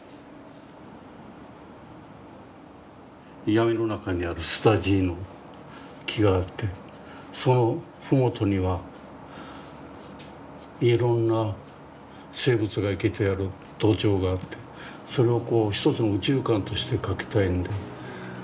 闇の中にあるスダジイの木があってその麓にはいろんな生物が生きてある土壌があってそれを一つの宇宙観として描きたいんで。